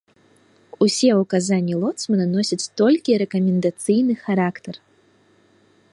Усе ўказанні лоцмана носяць толькі рэкамендацыйны характар.